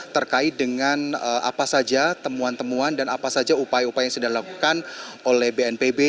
terkait dengan apa saja temuan temuan dan apa saja upaya upaya yang sudah dilakukan oleh bnpb